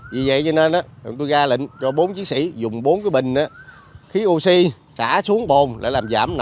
vì vậy cho nên tôi ra lệnh cho bốn chiến sĩ dùng bốn cái bình khí oxy xả xuống bồn để làm giảm nồng độ